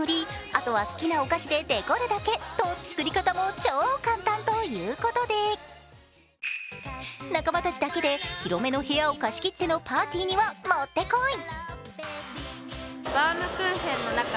あとは好きなお菓子でデコるだけと作り方も超簡単ということで仲間たちだけで広めの部屋を貸し切ってのパーティーにはもってこい。